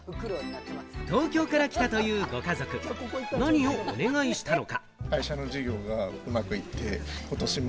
東京から来たというご家族、何をお願いしたのか？